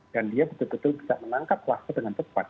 dan dia betul betul bisa menangkap pelanggan dengan cepat